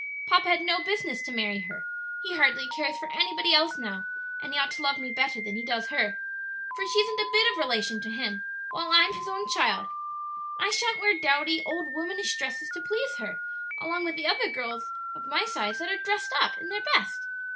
Papa had no business to marry her. He hardly cares for anybody else now, and he ought to love me better than he does her; for she isn't a bit of relation to him, while I'm his own child. "And I sha'n't wear dowdy, old womanish dresses to please her, along with other girls of my size that are dressed up in their best.